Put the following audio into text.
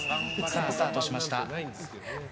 スタートしました。